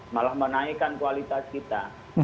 malah menaikkan kualitas kita